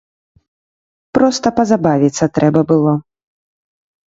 Проста пазабавіцца трэба было.